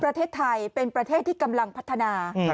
ประเทศไทยเป็นประเทศที่กำลังพัฒนา